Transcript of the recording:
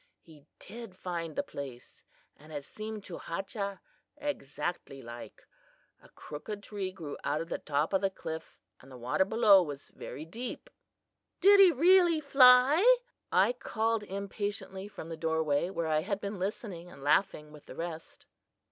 "He did find the place, and it seemed to Hachah exactly like. A crooked tree grew out of the top of the cliff, and the water below was very deep." "Did he really fly?" I called impatiently from the doorway, where I had been listening and laughing with the rest.